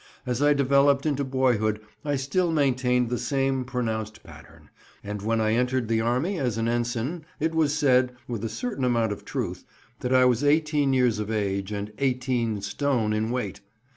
As I developed into boyhood I still maintained the same pronounced pattern; and when I entered the Army as an ensign, it was said, with a certain amount of truth, that I was eighteen years of age and 18 stone in weight.